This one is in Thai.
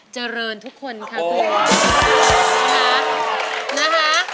เจริญทุกคนครับ